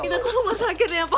kita ke rumah sakit ya pak